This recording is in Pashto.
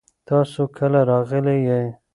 تاسو کله راغلي یئ؟